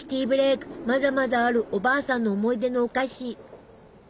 まだまだあるおばあさんの思い出のお菓子！